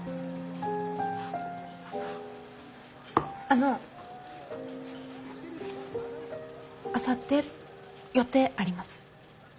あのあさって予定あります？